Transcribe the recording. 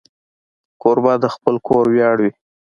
کوربه د خپل کور ویاړ وي.